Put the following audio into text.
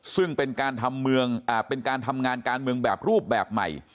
ซึ่งเป็นการทำงานการเมืองแบบรูปแบบใหม่